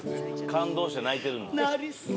感動して泣いてるんです。